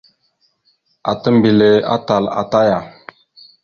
Ata mbelle atal ata aya.